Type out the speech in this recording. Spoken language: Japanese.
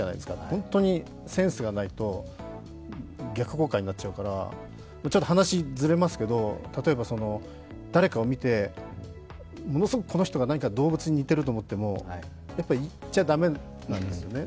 本当にセンスがないと逆効果になっちゃうから、ちょっと話ずれますけど、例えばｒ誰かを見てものすごくこの人が動物に似てると思っても、やっぱり言っちゃ駄目なんですよね。